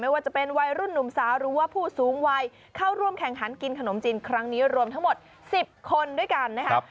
ว่าจะเป็นวัยรุ่นหนุ่มสาวหรือว่าผู้สูงวัยเข้าร่วมแข่งขันกินขนมจีนครั้งนี้รวมทั้งหมด๑๐คนด้วยกันนะครับ